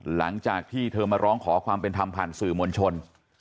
หลังจากที่เธอมาร้องขอความเป็นธรรมผ่านสื่อมวลชน